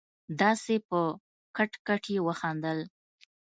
داسې په کټ کټ يې وخندل.